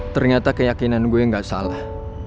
ternyata keyakinan gue gak salah